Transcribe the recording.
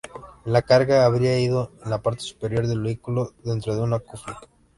La carga habría ido en la parte superior del vehículo, dentro de una cofia.